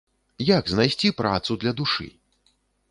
Як знайсці працу для душы?